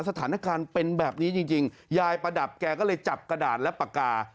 สถานการณ์เป็นแบบนี้จริงยายประดับแกก็เลยจับกระดาษและปากกา